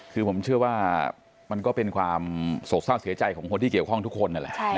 คือผมเชื่อว่ามันก็เป็นความโศกเศร้าเสียใจของคนที่เกี่ยวข้องทุกคนนั่นแหละ